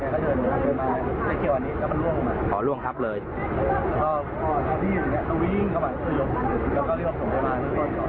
แล้วก็ต้องก่อน